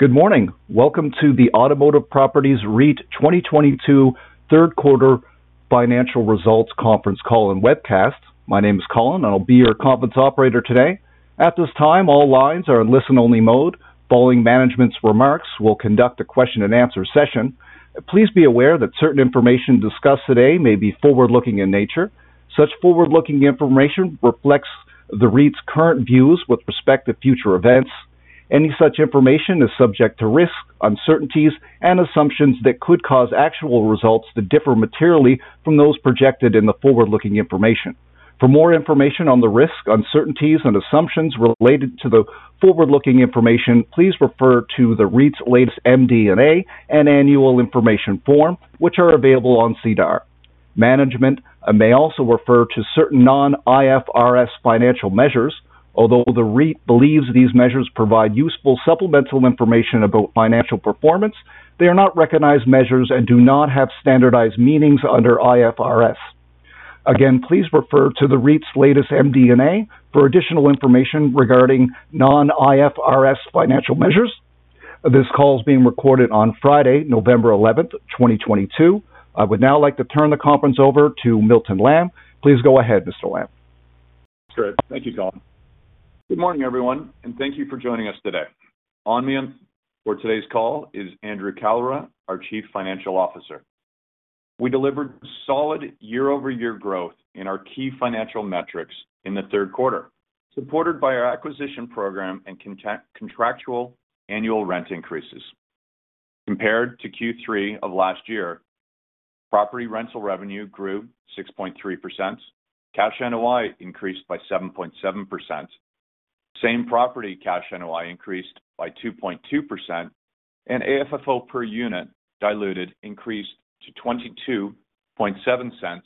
Good morning. Welcome to the Automotive Properties REIT 2022 third quarter financial results conference call and webcast. My name is Colin. I'll be your conference operator today. At this time, all lines are in listen-only mode. Following management's remarks, we'll conduct a question-and-answer session. Please be aware that certain information discussed today may be forward-looking in nature. Such forward-looking information reflects the REIT's current views with respect to future events. Any such information is subject to risks, uncertainties, and assumptions that could cause actual results to differ materially from those projected in the forward-looking information. For more information on the risks, uncertainties, and assumptions related to the forward-looking information, please refer to the REIT's latest MD&A and Annual Information Form, which are available on SEDAR. Management may also refer to certain non-IFRS financial measures. Although the REIT believes these measures provide useful supplemental information about financial performance, they are not recognized measures and do not have standardized meanings under IFRS. Again, please refer to the REIT's latest MD&A for additional information regarding non-IFRS financial measures. This call is being recorded on Friday, November 11, 2022. I would now like to turn the conference over to Milton Lamb. Please go ahead, Mr. Lamb. Great. Thank you, Colin. Good morning, everyone, and thank you for joining us today. With me for today's call is Andrew Kalra, our Chief Financial Officer. We delivered solid year-over-year growth in our key financial metrics in the third quarter, supported by our acquisition program and contractual annual rent increases. Compared to Q3 of last year, property rental revenue grew 6.3%, cash NOI increased by 7.7%, same property cash NOI increased by 2.2%, and AFFO per unit diluted increased to 0.227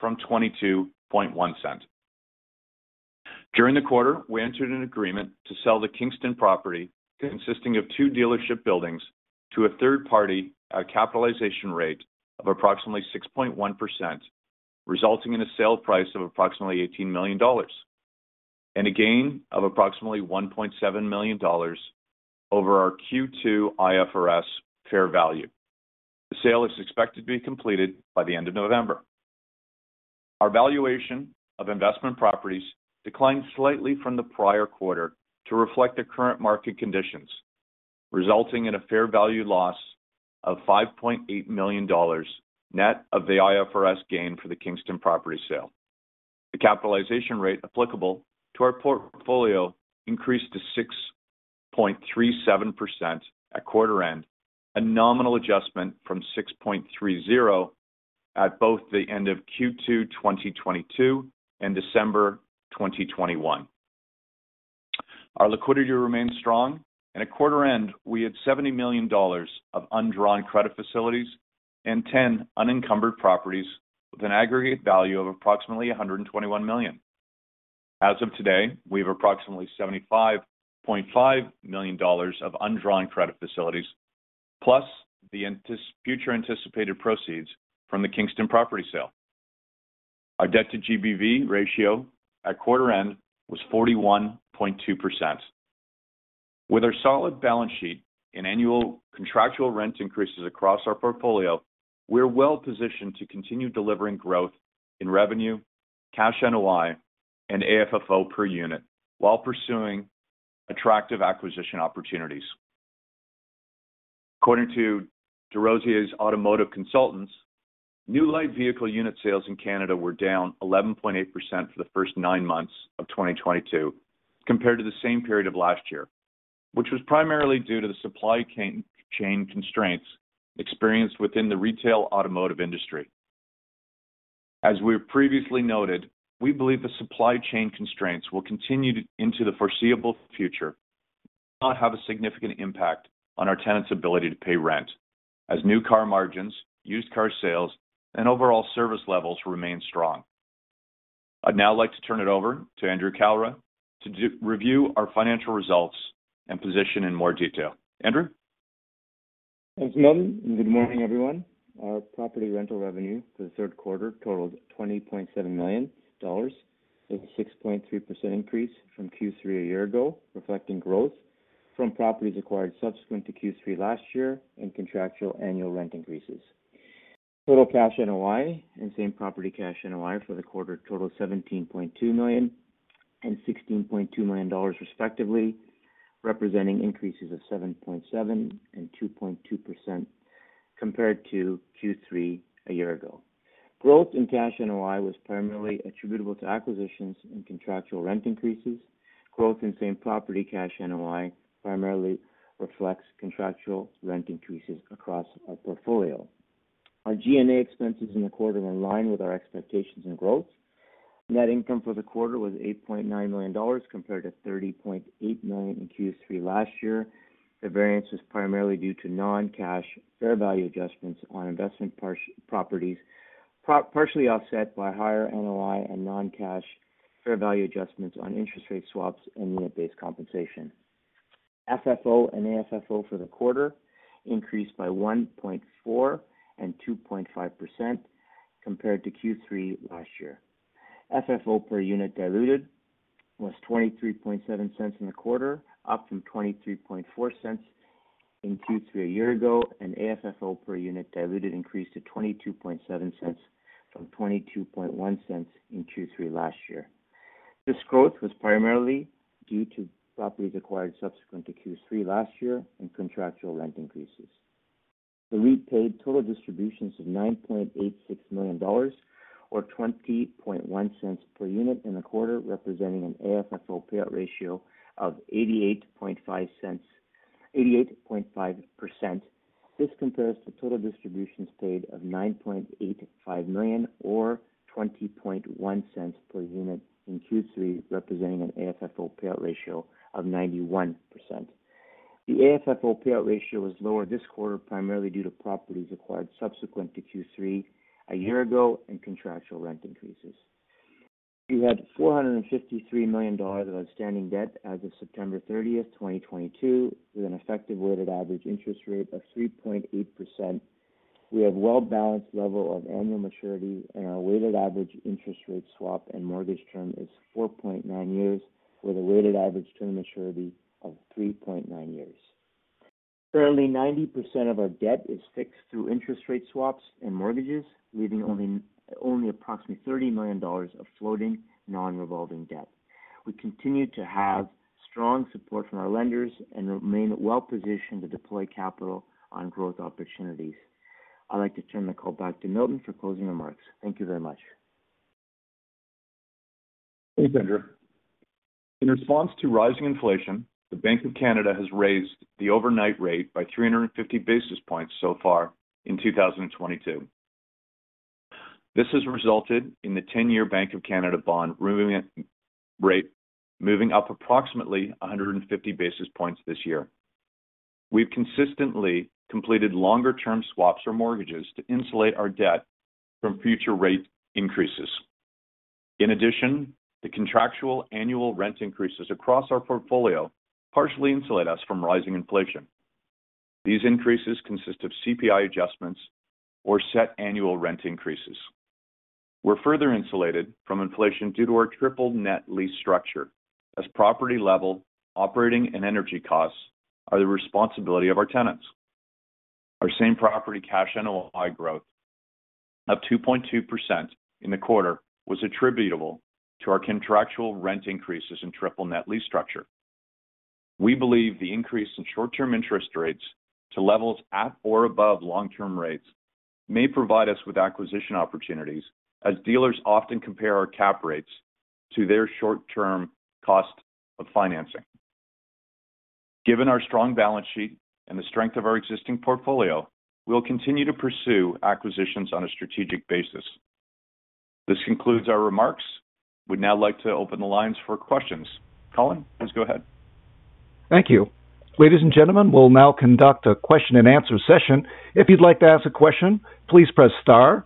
from 0.221. During the quarter, we entered an agreement to sell the Kingston property consisting of two dealership buildings to a third party at a capitalization rate of approximately 6.1%, resulting in a sale price of approximately 18 million dollars and a gain of approximately 1.7 million dollars over our Q2 IFRS fair value. The sale is expected to be completed by the end of November. Our valuation of investment properties declined slightly from the prior quarter to reflect the current market conditions, resulting in a fair value loss of 5.8 million dollars net of the IFRS gain for the Kingston property sale. The capitalization rate applicable to our portfolio increased to 6.37% at quarter end, a nominal adjustment from 6.30 at both the end of Q2 2022 and December 2021. Our liquidity remains strong, and at quarter end, we had 70 million dollars of undrawn credit facilities and 10 unencumbered properties with an aggregate value of approximately 121 million. As of today, we have approximately 75.5 million dollars of undrawn credit facilities, plus the anticipated future proceeds from the Kingston property sale. Our debt-to-GBV ratio at quarter end was 41.2%. With our solid balance sheet and annual contractual rent increases across our portfolio, we're well-positioned to continue delivering growth in revenue, Cash NOI, and AFFO per unit while pursuing attractive acquisition opportunities. According to DesRosiers Automotive Consultants, new light vehicle unit sales in Canada were down 11.8% for the first nine months of 2022 compared to the same period of last year, which was primarily due to the supply chain constraints experienced within the retail automotive industry. We have previously noted, we believe the supply chain constraints will continue into the foreseeable future, not have a significant impact on our tenants' ability to pay rent as new car margins, used car sales, and overall service levels remain strong. I'd now like to turn it over to Andrew Kalra to review our financial results and position in more detail. Andrew? Thanks, Milton, and good morning, everyone. Our property rental revenue for the third quarter totaled 20.7 million dollars, a 6.3% increase from Q3 a year ago, reflecting growth from properties acquired subsequent to Q3 last year and contractual annual rent increases. Total Cash NOI and Same Property Cash NOI for the quarter totaled 17.2 million and 16.2 million dollars respectively, representing increases of 7.7% and 2.2% compared to Q3 a year ago. Growth in Cash NOI was primarily attributable to acquisitions and contractual rent increases. Growth in Same Property Cash NOI primarily reflects contractual rent increases across our portfolio. Our G&A expenses in the quarter were in line with our expectations and growth. Net income for the quarter was 8.9 million dollars compared to 30.8 million in Q3 last year. The variance was primarily due to non-cash fair value adjustments on investment properties, partially offset by higher NOI and non-cash fair value adjustments on interest rate swaps and unit-based compensation. FFO and AFFO for the quarter increased by 1.4% and 2.5% compared to Q3 last year. FFO per unit diluted was 0.237 in the quarter, up from 0.234 in Q3 a year ago, and AFFO per unit diluted increased to 0.227 from 0.221 in Q3 last year. This growth was primarily due to properties acquired subsequent to Q3 last year and contractual rent increases. The REIT paid total distributions of 9.86 million dollars or 0.201 per unit in the quarter, representing an AFFO payout ratio of 88.5%. This compares to total distributions paid of 9.85 million or 0.201 per unit in Q3, representing an AFFO payout ratio of 91%. The AFFO payout ratio was lower this quarter, primarily due to properties acquired subsequent to Q3 a year ago and contractual rent increases. We had 453 million dollars of outstanding debt as of September 30, 2022, with an effective weighted average interest rate of 3.8%. We have well balanced level of annual maturity, and our weighted average interest rate swap and mortgage term is four point nine-years with a weighted average term maturity of three point nine-years. Currently, 90% of our debt is fixed through interest rate swaps and mortgages, leaving only approximately 30 million dollars of floating non-revolving debt. We continue to have strong support from our lenders and remain well positioned to deploy capital on growth opportunities. I'd like to turn the call back to Milton for closing remarks. Thank you very much. Thanks, Andrew. In response to rising inflation, the Bank of Canada has raised the overnight rate by 350 basis points so far in 2022. This has resulted in the 10 years Bank of Canada bond yield moving up approximately 150 basis points this year. We've consistently completed longer-term swaps or mortgages to insulate our debt from future rate increases. In addition, the contractual annual rent increases across our portfolio partially insulate us from rising inflation. These increases consist of CPI adjustments or set annual rent increases. We're further insulated from inflation due to our triple net lease structure, as property-level operating and energy costs are the responsibility of our tenants. Our same-property Cash NOI growth of 2.2% in the quarter was attributable to our contractual rent increases and triple net lease structure. We believe the increase in short-term interest rates to levels at or above long-term rates may provide us with acquisition opportunities, as dealers often compare our cap rates to their short-term cost of financing. Given our strong balance sheet and the strength of our existing portfolio, we'll continue to pursue acquisitions on a strategic basis. This concludes our remarks. We'd now like to open the lines for questions. Colin, please go ahead. Thank you. Ladies and gentlemen, we'll now conduct a question and answer session. If you'd like to ask a question, please press star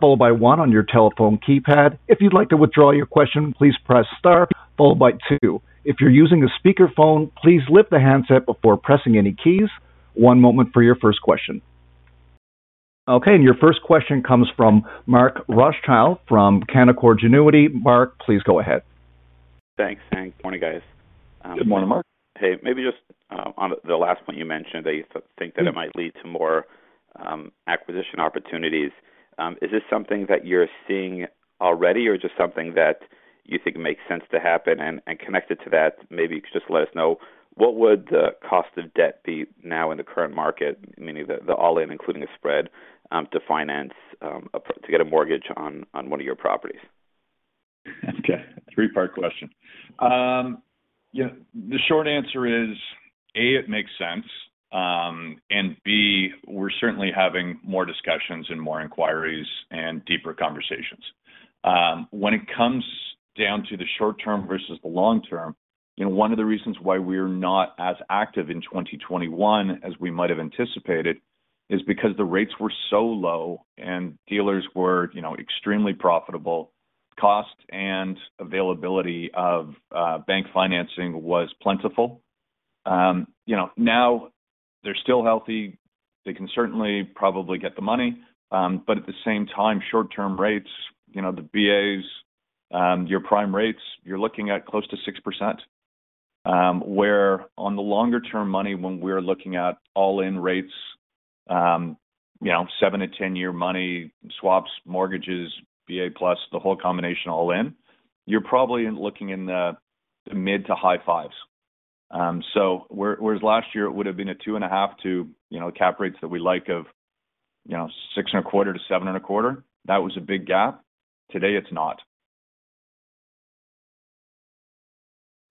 followed by one on your telephone keypad. If you'd like to withdraw your question, please press star followed by two. If you're using a speakerphone, please lift the handset before pressing any keys. One moment for your first question. Okay, your first question comes from Mark Rothschild from Canaccord Genuity. Mark, please go ahead. Thanks. Morning, guys. Good morning, Mark. Hey, maybe just on the last point you mentioned that you think that it might lead to more acquisition opportunities. Is this something that you're seeing already or just something that you think makes sense to happen? Connected to that, maybe you could just let us know what the cost of debt would be now in the current market, meaning the all-in, including the spread, to finance to get a mortgage on one of your properties? Okay. Three-part question. Yeah. The short answer is A, it makes sense, and B, we're certainly having more discussions and more inquiries and deeper conversations. When it comes down to the short-term versus the long-term, you know, one of the reasons why we're not as active in 2021 as we might have anticipated is because the rates were so low and dealers were, you know, extremely profitable. Cost and availability of bank financing was plentiful. You know, now they're still healthy. They can certainly probably get the money. But at the same time, short-term rates, you know, the BAs, your prime rates, you're looking at close to 6%. Where on the longer-term money, when we're looking at all-in rates, you know, seven to 10-year money swaps, mortgages, BA plus, the whole combination all in, you're probably looking in the mid- to high-5s. Whereas last year it would've been a 2.5 to, you know, cap rates that we like of, you know, 6.25%-7.25%, that was a big gap. Today, it's not.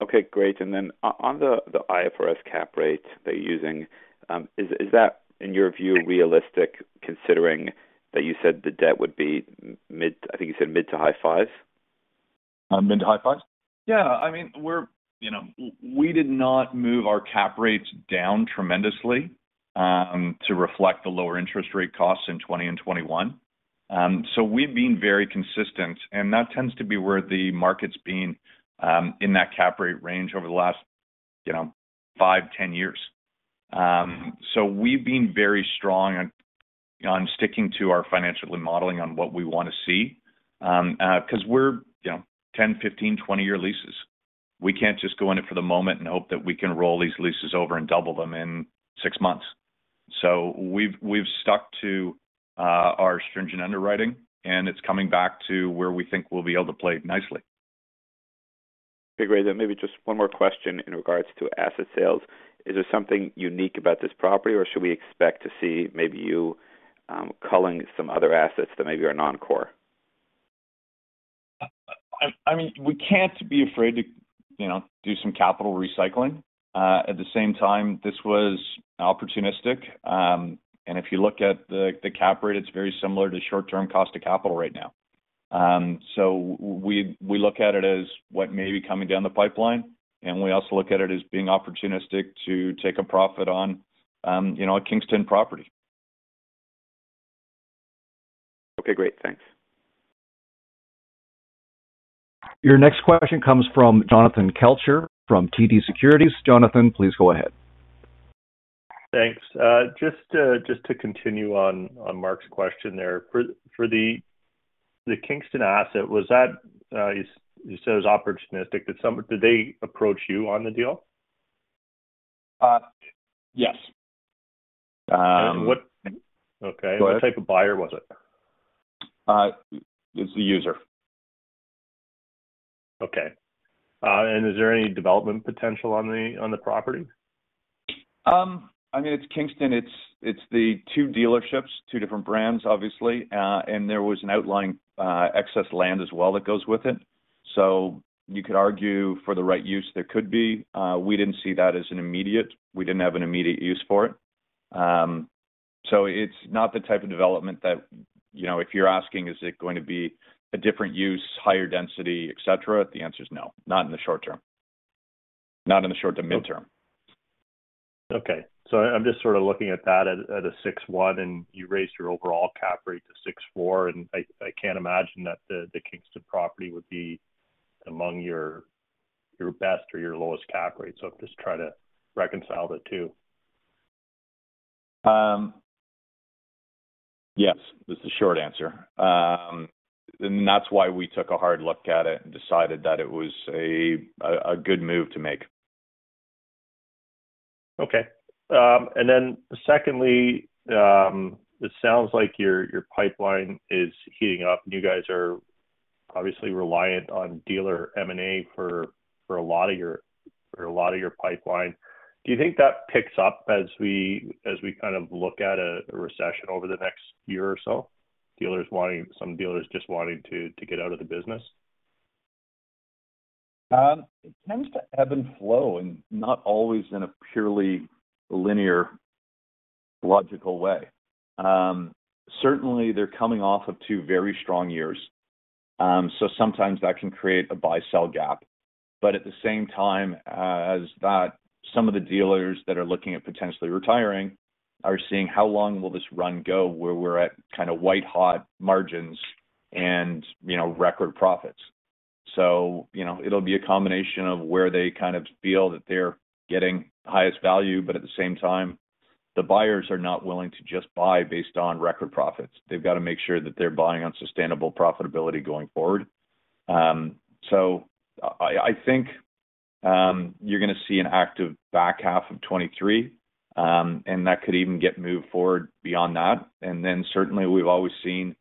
Okay, great. On the IFRS cap rate that you're using, is that, in your view, realistic considering that you said the debt would be I think you said mid to high fives? Mid to high fives? Yeah. I mean, we're, you know. We did not move our cap rates down tremendously to reflect the lower interest rate costs in 2020 and 2021. We've been very consistent, and that tends to be where the market's been in that cap rate range over the last, you know, five, 10 years. We've been very strong on sticking to our financial modeling on what we want to see because we're, you know, 10-, 15-, 20-year leases. We can't just go in it for the moment and hope that we can roll these leases over and double them in six months. We've stuck to our stringent underwriting, and it's coming back to where we think we'll be able to play nicely. Okay, great. Maybe just one more question in regards to asset sales. Is there something unique about this property, or should we expect to see maybe you, culling some other assets that maybe are non-core? I mean, we can't be afraid to you know do some capital recycling. At the same time, this was opportunistic. If you look at the cap rate, it's very similar to short-term cost of capital right now. We look at it as what may be coming down the pipeline, and we also look at it as being opportunistic to take a profit on, you know a Kingston property. Okay, great. Thanks. Your next question comes from Jonathan Kelcher from TD Securities. Jonathan, please go ahead. Thanks. Just to continue on Mark's question there. For the Kingston asset, was that you said it was opportunistic. Did they approach you on the deal? Yes. Okay. Go ahead. What type of buyer was it? It's the user. Okay. Is there any development potential on the property? I mean, it's Kingston. It's the two dealerships, two different brands, obviously. There was an outlying, excess land as well that goes with it. You could argue for the right use there could be. We didn't have an immediate use for it. It's not the type of development that, you know, if you're asking is it going to be a different use, higher density, etc., the answer is no, not in the short term. Not in the short to midterm. Okay. I'm just sort of looking at that at a 6.1%, and you raised your overall cap rate to 6.4%, and I can't imagine that the Kingston property would be among your best or your lowest cap rate. I'm just trying to reconcile the two. Yes is the short answer. That's why we took a hard look at it and decided that it was a good move to make. Okay. Secondly, it sounds like your pipeline is heating up, and you guys are obviously reliant on dealer M&A for a lot of your pipeline. Do you think that picks up as we kind of look at a recession over the next year or so, some dealers just wanting to get out of the business? It tends to ebb and flow and not always in a purely linear, logical way. Certainly they're coming off of two very strong years, so sometimes that can create a buy-sell gap. But at the same time, as that, some of the dealers that are looking at potentially retiring are seeing how long will this run go where we're at kind of white-hot margins and, you know, record profits. You know, it'll be a combination of where they kind of feel that they're getting highest value, but at the same time, the buyers are not willing to just buy based on record profits. They've got to make sure that they're buying on sustainable profitability going forward. I think, you're gonna see an active back half of 2023, and that could even get moved forward beyond that. Certainly we've always seen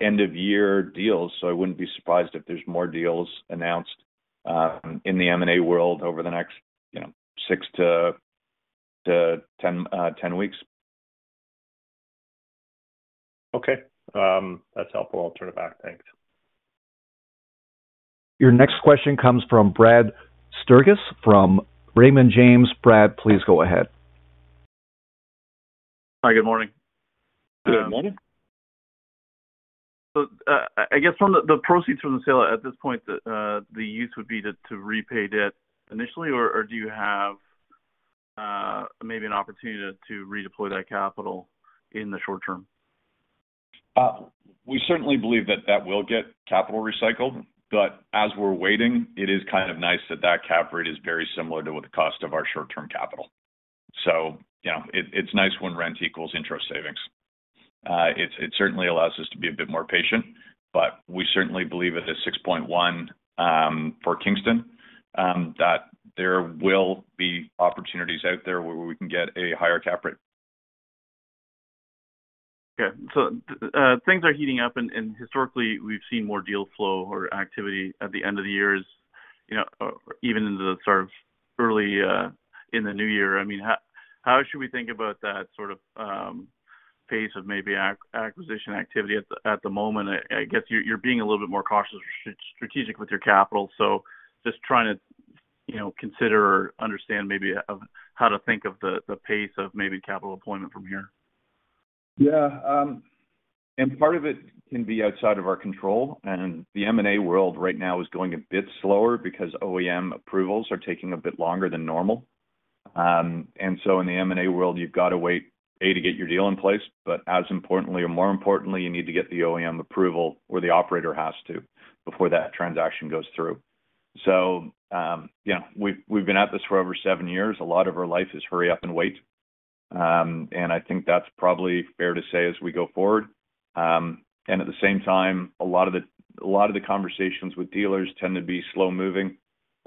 end-of-year deals, so I wouldn't be surprised if there's more deals announced in the M&A world over the next, you know, six-10 weeks. Okay. That's helpful. I'll turn it back. Thanks. Your next question comes from Brad Sturges from Raymond James. Brad, please go ahead. Hi. Good morning. Good morning. I guess from the proceeds from the sale at this point, the use would be to repay debt initially, or do you have maybe an opportunity to redeploy that capital in the short term? We certainly believe that will get capital recycled, but as we're waiting, it is kind of nice that cap rate is very similar to what the cost of our short-term capital. You know, it's nice when rent equals interest savings. It certainly allows us to be a bit more patient, but we certainly believe at a 6.1% for Kingston that there will be opportunities out there where we can get a higher cap rate. Yeah. Things are heating up, and historically we've seen more deal flow or activity at the end of the years, you know, even in the sort of early in the new year. I mean, how should we think about that sort of pace of maybe acquisition activity at the moment? I guess you're being a little bit more cautious or strategic with your capital, so just trying to, you know, consider or understand maybe of how to think of the pace of maybe capital deployment from here. Part of it can be outside of our control, and the M&A world right now is going a bit slower because OEM approvals are taking a bit longer than normal. In the M&A world, you've got to wait, A, to get your deal in place, but as importantly or more importantly, you need to get the OEM approval or the operator has to before that transaction goes through. Yeah, we've been at this for over seven years. A lot of our life is hurry up and wait. I think that's probably fair to say as we go forward. At the same time, a lot of the conversations with dealers tend to be slow-moving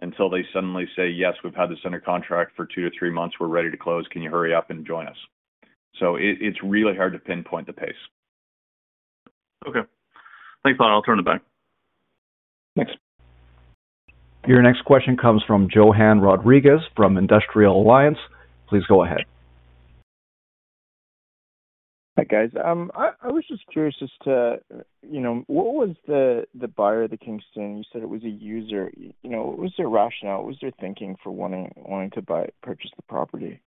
until they suddenly say, "Yes, we've had this under contract for two to three months, we're ready to close. Can you hurry up and join us?" It's really hard to pinpoint the pace. Okay. Thanks, Milton. I'll turn it back. Thanks. Your next question comes from Johann Rodrigues from Industrial Alliance. Please go ahead. Hi, guys. I was just curious as to, you know, what was the buyer of the Kingston? You said it was a user. You know, what was their rationale? What was their thinking for wanting to purchase the property?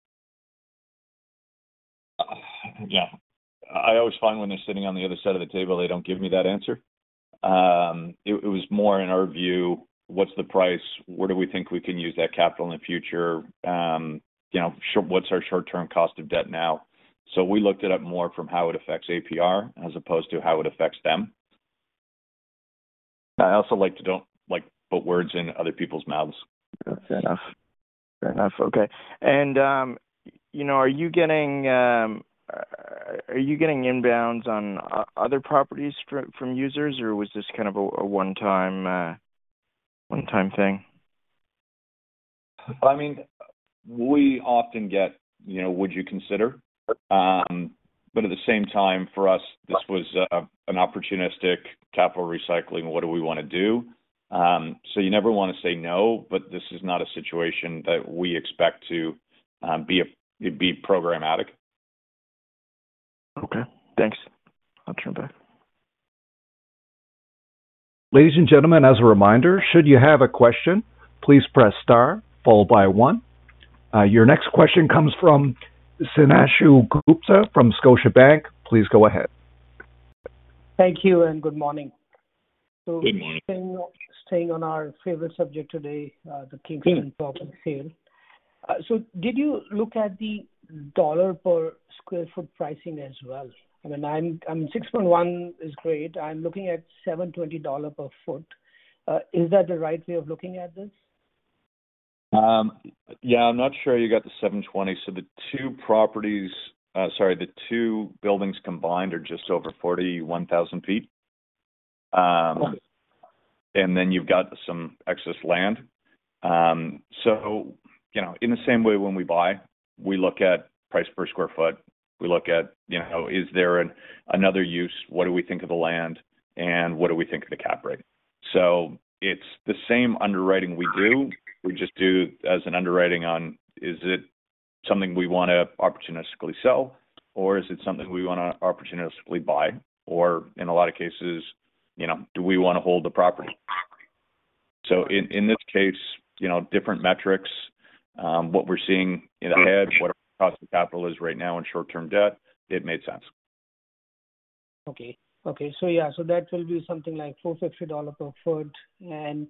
Yeah. I always find when they're sitting on the other side of the table, they don't give me that answer. It was more in our view, what's the price? Where do we think we can use that capital in the future? What's our short-term cost of debt now? We looked it up more from how it affects APR as opposed to how it affects them. I also don't like to put words in other people's mouths. Fair enough. Fair enough. Okay. You know, are you getting inbounds on other properties from users, or was this kind of a one-time thing? I mean, we often get, you know, "Would you consider?" But at the same time, for us, this was an opportunistic capital recycling. What do we wanna do? You never wanna say no, but this is not a situation that we expect to be programmatic. Okay, thanks. I'll turn back. Ladies and gentlemen, as a reminder, should you have a question, please press star followed by one. Your next question comes from Himanshu Gupta from Scotiabank. Please go ahead. Thank you and good morning. Good morning. Staying on our favorite subject today, the Kingston property sale. Did you look at the CAD per square feet pricing as well? I mean, 6.1 is great. I'm looking at 7.20 dollar per sq ft. Is that the right way of looking at this? Yeah, I'm not sure you got the 720. The two buildings combined are just over 41,000 sq ft. Okay. You've got some excess land. You know, in the same way when we buy, we look at price per square feet, we look at, you know, is there another use? What do we think of the land? And what do we think of the cap rate? It's the same underwriting we do, we just do as an underwriting on is it something we wanna opportunistically sell or is it something we wanna opportunistically buy? In a lot of cases, you know, do we wanna hold the property? In this case, you know, different metrics, what we're seeing in the hedge, what our cost of capital is right now in short-term debt, it made sense. That will be something like 450 dollar per foot. In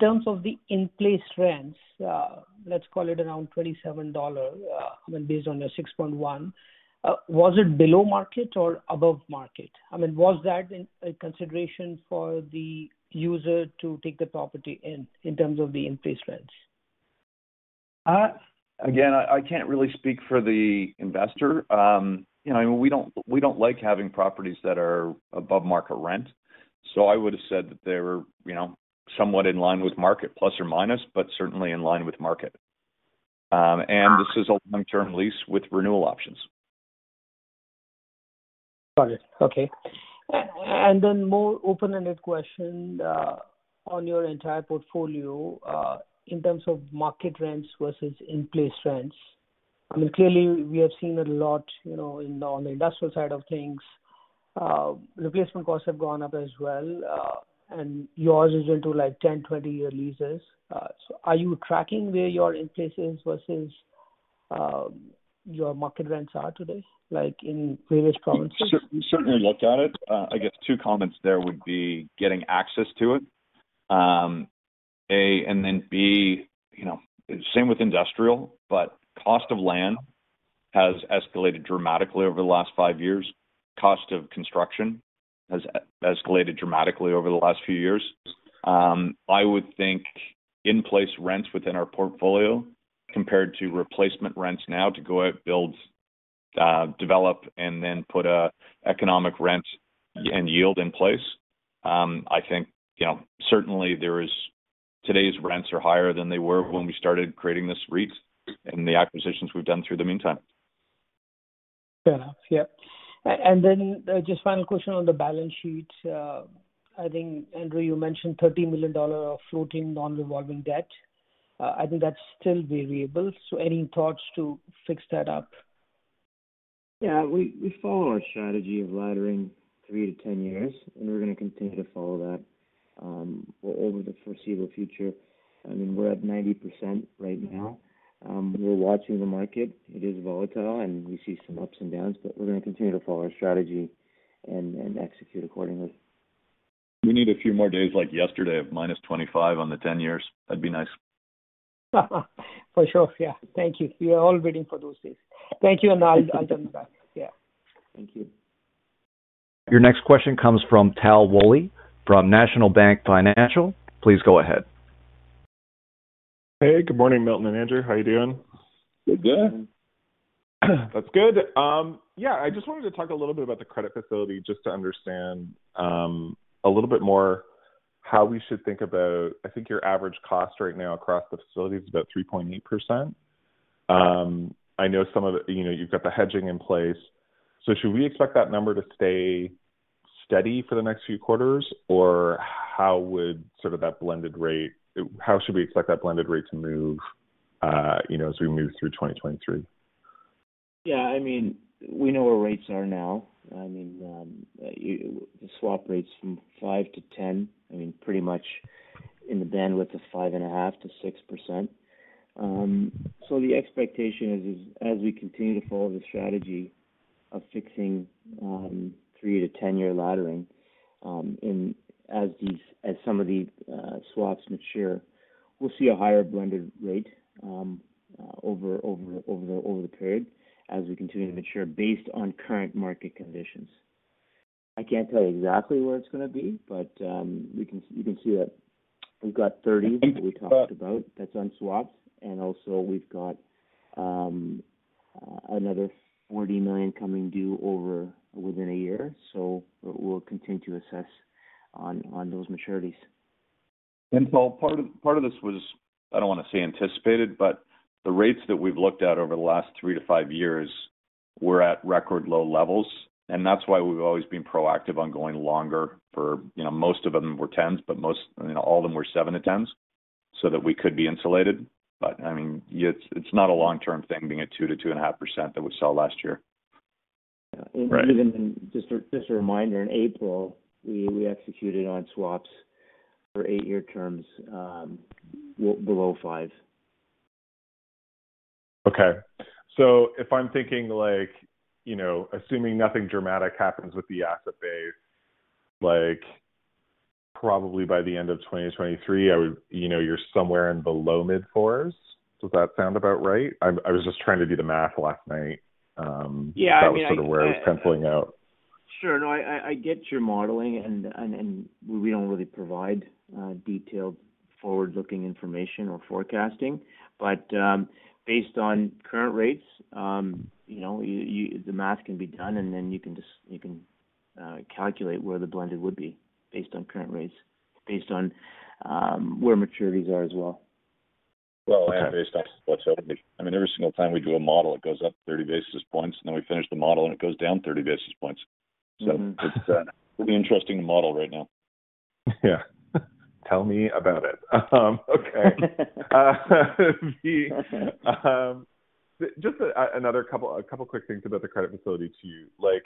terms of the in-place rents, let's call it around 27 dollar. I mean, based on the 6.1, was it below market or above market? I mean, was that in consideration for the user to take the property in terms of the in-place rents? Again, I can't really speak for the investor. You know, we don't like having properties that are above market rent. I would've said that they were, you know, somewhat in line with market, plus or minus, but certainly in line with market. This is a long-term lease with renewal options. Got it. Okay. More open-ended question on your entire portfolio in terms of market rents versus in-place rents. I mean, clearly, we have seen a lot, you know, on the industrial side of things. Replacement costs have gone up as well, and yours is into like 10, 20-year leases. Are you tracking where your in-place is versus your market rents are today, like in previous provinces? We certainly looked at it. I guess two comments there would be getting access to it, A. Then B, you know, same with industrial, but cost of land has escalated dramatically over the last five years. Cost of construction has escalated dramatically over the last few years. I would think in-place rents within our portfolio compared to replacement rents now to go out, build, develop, and then put a economic rent and yield in place, I think, you know, certainly there is. Today's rents are higher than they were when we started creating this REIT and the acquisitions we've done in the meantime. Fair enough. Yeah. And then, just final question on the balance sheet. I think, Andrew, you mentioned 30 million dollars of floating non-revolving debt. I think that's still variable. Any thoughts to fix that up? Yeah. We follow our strategy of laddering three-10 years, and we're gonna continue to follow that over the foreseeable future. I mean, we're at 90% right now. We're watching the market. It is volatile, and we see some ups and downs, but we're gonna continue to follow our strategy and execute accordingly. We need a few more days like yesterday of minus 25 on the 10 years. That'd be nice. For sure. Yeah. Thank you. We are all waiting for those days. Thank you, and I'll turn it back. Yeah. Thank you. Your next question comes from Tal Woolley from National Bank Financial. Please go ahead. Hey, good morning, Milton and Andrew. How you doing? Good. Good. That's good. Yeah, I just wanted to talk a little bit about the credit facility, just to understand a little bit more how we should think about. I think your average cost right now across the facility is about 3.8%. I know some of it, you know, you've got the hedging in place. Should we expect that number to stay steady for the next few quarters? How would sort of that blended rate, how should we expect that blended rate to move, you know, as we move through 2023? Yeah, I mean, we know where rates are now. I mean, the swap rates from 5-10, I mean, pretty much in the bandwidth of 5.5%-6%. The expectation is as we continue to follow the strategy of fixing three-10-year laddering as some of these swaps mature, we'll see a higher blended rate over the period as we continue to mature based on current market conditions. I can't tell you exactly where it's gonna be, but you can see that we've got 30 million that we talked about that's on swaps, and also we've got another 40 million coming due within a year. We'll continue to assess on those maturities. Part of this was, I don't wanna say anticipated, but the rates that we've looked at over the last three to five-years were at record low levels, and that's why we've always been proactive on going longer for, you know, most of them were tens, but most, you know, all of them were 7-10s so that we could be insulated. I mean, it's not a long-term thing being at 2%-2.5% that we saw last year. Right. Even just a reminder, in April, we executed on swaps for eight-year terms, way below five. Okay. If I'm thinking like, you know, assuming nothing dramatic happens with the asset base, like, probably by the end of 2023, I would. You know, you're somewhere in below mid-fours. Does that sound about right? I was just trying to do the math last night. Yeah. I mean, I That was sort of where I was penciling out. Sure. No, I get your modeling and we don't really provide detailed forward-looking information or forecasting. Based on current rates, you know, the math can be done, and then you can just calculate where the blended would be based on current rates, based on where maturities are as well. Okay. Well, yeah, based on what's opening. I mean, every single time we do a model, it goes up 30 basis points, and then we finish the model, and it goes down 30 basis points. Mm-hmm. It's really interesting to model right now. Yeah. Tell me about it. Okay. Just another couple quick things about the credit facility to you. Like,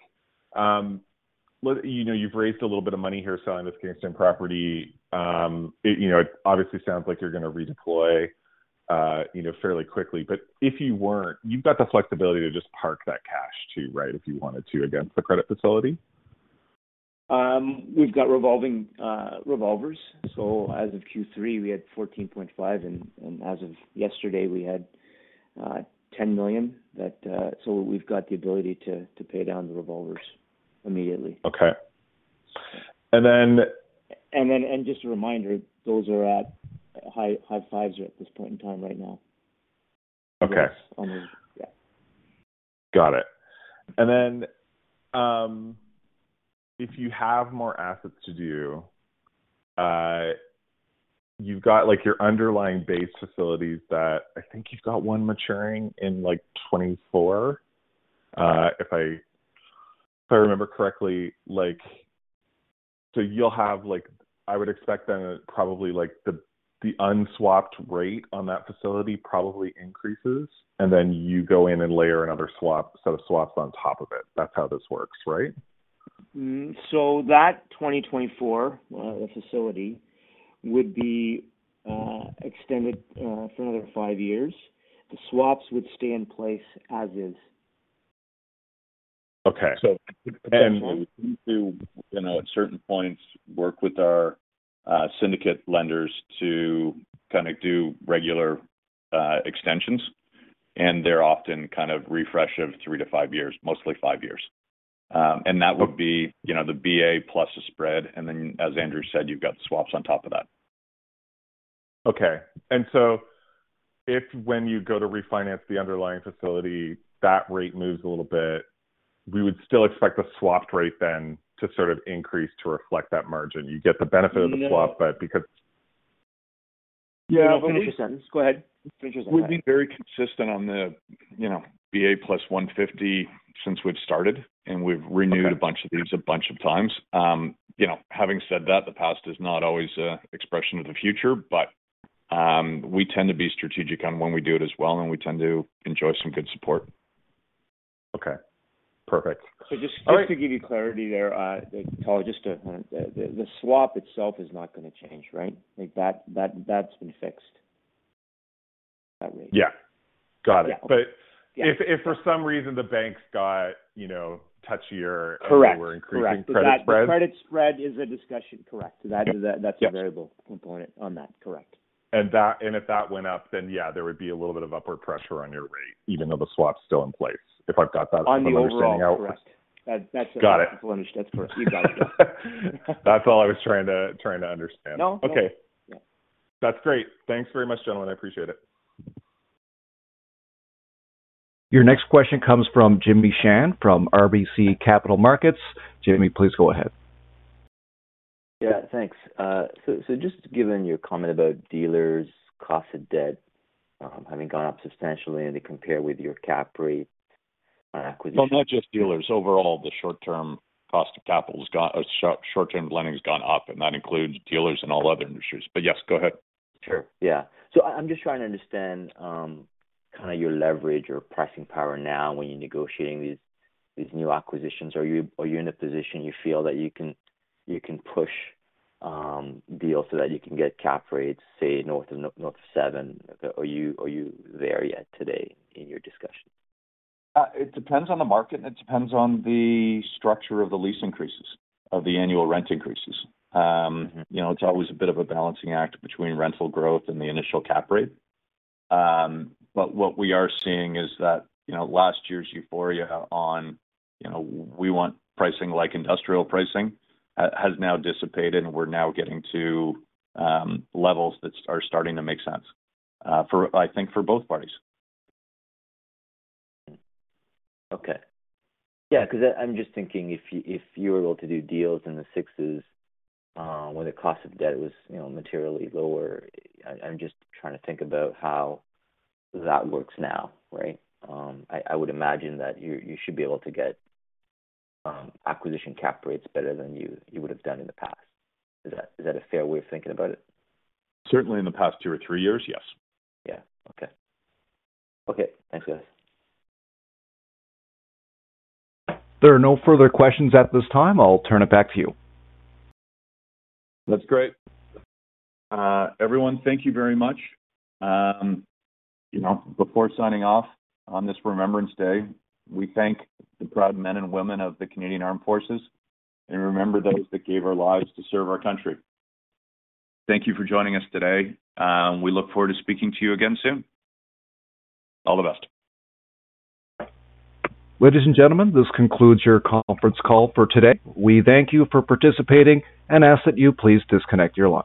you know, you've raised a little bit of money here selling this Kingston property. It you know it obviously sounds like you're gonna redeploy, you know fairly quickly. But if you weren't, you've got the flexibility to just park that cash too, right? If you wanted to, against the credit facility. We've got revolving revolvers. As of Q3, we had 14.5 million, and as of yesterday, we had 10 million. We've got the ability to pay down the revolvers immediately. Okay. Just a reminder, those are at high fives at this point in time right now. Okay. Yeah. Got it. If you have more assets to do, you've got like your underlying base facilities that I think you've got one maturing in like 2024, if I remember correctly. Like, you'll have like I would expect then probably like the unswapped rate on that facility probably increases, and then you go in and layer another swap, set of swaps on top of it. That's how this works, right? That 2024 facility would be extended for another five years. The swaps would stay in place as is. Okay. Potentially, we do, you know, at certain points, work with our syndicate lenders to kinda do regular extensions, and they're often kind of refresh of three to five years, mostly five-years. That would be, you know, the BA plus the spread, and then as Andrew said, you've got the swaps on top of that. If when you go to refinance the underlying facility, that rate moves a little bit, we would still expect the swapped rate then to sort of increase to reflect that margin. You get the benefit of the swap, but because. Yeah. Finish your sentence. Go ahead. Finish your sentence. We've been very consistent on the, you know, BA + 150 since we've started, and we've renewed. Okay. A bunch of these, a bunch of times. You know, having said that, the past is not always an expression of the future, but we tend to be strategic on when we do it as well, and we tend to enjoy some good support. Okay. Perfect. Just quick to give you clarity there, Tal, the swap itself is not gonna change, right? Like that's been fixed, that rate. Yeah. Got it. Yeah. Okay. But- Yeah. If for some reason the banks got, you know, touchier. Correct. They were increasing credit spreads. The credit spread is a discussion, correct. That's a variable component on that. Correct. If that went up, then yeah, there would be a little bit of upward pressure on your rate, even though the swap's still in place, if I've got that understanding out. On the overall, correct. That's it. Got it. That's correct. You got it. That's all I was trying to understand. No. No. Okay. That's great. Thanks very much, gentlemen. I appreciate it. Your next question comes from Jimmy Shan from RBC Capital Markets. Jimmy, please go ahead. Yeah, thanks. Just given your comment about dealers' cost of debt, having gone up substantially and they compare with your cap rate on acquisition. Well, not just dealers. Overall, the short-term cost of capital has gone up, and that includes dealers and all other industries. Yes, go ahead. Sure. Yeah. I'm just trying to understand kind of your leverage or pricing power now when you're negotiating these new acquisitions. Are you in a position you feel that you can push deals so that you can get cap rates, say, north of 7%? Are you there yet today in your discussion? It depends on the market, and it depends on the structure of the lease increases, of the annual rent increases. You know, it's always a bit of a balancing act between rental growth and the initial cap rate. What we are seeing is that, you know, last year's euphoria on, you know, we want pricing like industrial pricing, has now dissipated, and we're now getting to levels that are starting to make sense, for, I think for both parties. Okay. Yeah, 'cause I'm just thinking if you were able to do deals in the sixes, when the cost of debt was, you know, materially lower, I'm just trying to think about how that works now, right? I would imagine that you should be able to get acquisition cap rates better than you would have done in the past. Is that a fair way of thinking about it? Certainly in the past two or three years, yes. Yeah. Okay. Okay, thanks, guys. There are no further questions at this time. I'll turn it back to you. That's great. Everyone, thank you very much. You know, before signing off on this Remembrance Day, we thank the proud men and women of the Canadian Armed Forces and remember those that gave their lives to serve our country. Thank you for joining us today. We look forward to speaking to you again soon. All the best. Ladies and gentlemen, this concludes your conference call for today. We thank you for participating and ask that you please disconnect your lines.